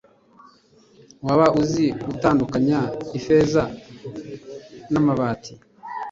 waba uzi gutandukanya ifeza n'amabati